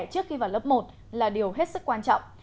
trước khi vào lớp một là điều hết sức quan trọng